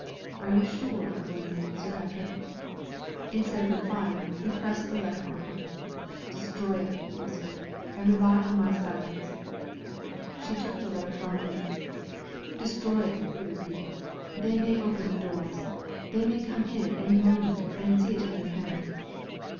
"Are you sure of winning it, Sir Patrick?" Instead of replying, he pressed the letter on her. "Destroy it," he whispered. "And rely on my silence." She took the letter from him. "Destroy it," he repeated. "They may open the doors. They may come in at any moment, and see it in your hand."